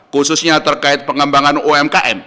khususnya terkait pengembangan umkm